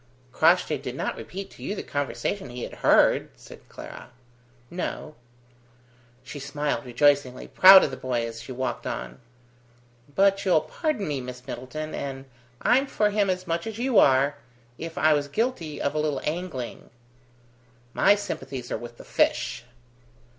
"Crossjay did not repeat to you the conversation he had heard?" said Clara. "No." She smiled rejoicingly, proud of the boy, as she walked on. "But you'll pardon me, Miss Middleton and I'm for him as much as you are if I was guilty of a little angling." "My sympathies are with the fish."